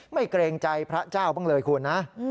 เกรงใจพระเจ้าบ้างเลยคุณนะ